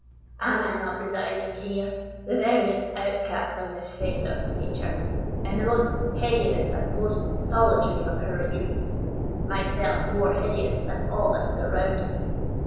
Am I not residing here, the veriest outcast on the face of Nature, in the most hideous and most solitary of her retreats, myself more hideous than all that is around me?